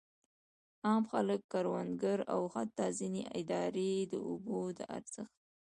عام خلک، کروندګر او حتی ځینې ادارې د اوبو د ارزښت.